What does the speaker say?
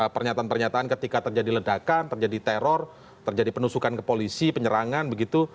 pernyataan pernyataan ketika terjadi ledakan terjadi teror terjadi penusukan ke polisi penyerangan begitu